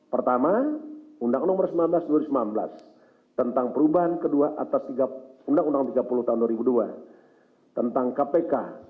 pertama undang undang nomor sembilan belas dua ribu sembilan belas tentang perubahan kedua atas undang undang tiga puluh tahun dua ribu dua tentang kpk